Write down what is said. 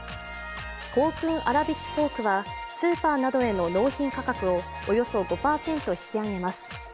香薫あらびきポークはスーパーなどへの納品価格をおよそ５％引き上げます。